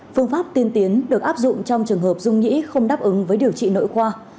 phương pháp tiên tiến được áp dụng trong trường hợp dung nhĩ không đáp ứng với điều trị nội khoa